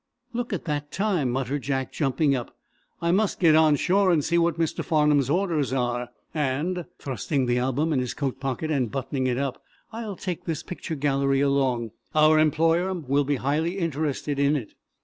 "Look at that time," muttered Jack, jumping up. "I must get on shore and see what Mr. Farnum's orders are. And " thrusting the album in his coat pocket and buttoning it up, "I'll take this picture gallery along. Our employer will be highly interested in it."